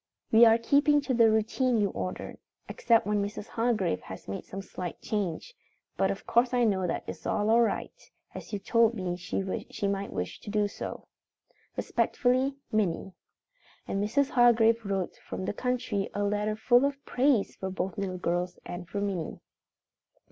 "We are keeping to the routine you ordered except when Mrs. Hargrave has made some slight change, but of course I know that is all right, as you told me she might wish to do so. "Respectfully, "MINNIE." And Mrs. Hargrave wrote from the country a letter full of praise for both little girls and for Minnie.